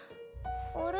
あれ？